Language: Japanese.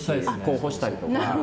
干したりとか。